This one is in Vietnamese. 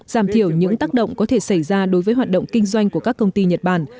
giảm thiểu những tác động có thể xảy ra đối với hoạt động kinh doanh của các công ty nhật bản